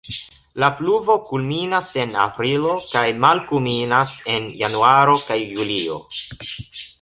La pluvo kulminas en aprilo kaj malkulminas en januaro kaj julio.